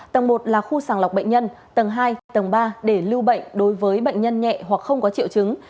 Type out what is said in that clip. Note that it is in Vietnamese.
tầng một là khu sàng lọc bệnh nhân tầng hai tầng ba để lưu bệnh đối với bệnh nhân nhẹ hoặc không có triệu chứng